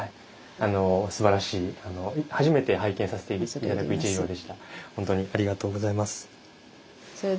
あのすばらしい初めて拝見させて頂く一行でした。